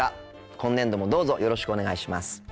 今年度もどうぞよろしくお願いします。